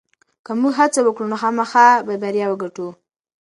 که موږ هڅه وکړو نو خامخا به بریا وګټو.